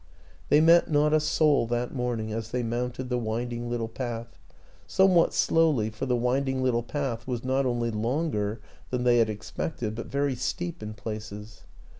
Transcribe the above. They met not a soul that morning as they mounted the winding little path somewhat slowly, for the winding little path was not only longer than they had expected but very steep in places.